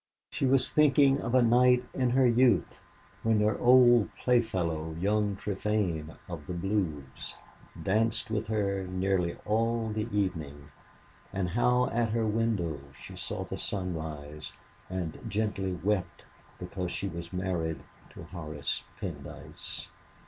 She was thinking of a night in her youth, when her old playfellow, young Trefane of the Blues, danced with her nearly all the evening, and of how at her window she saw the sun rise, and gently wept because she was married to Horace Pendyce.